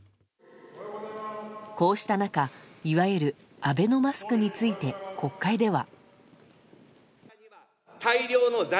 こうした中いわゆるアベノマスクについて国会では。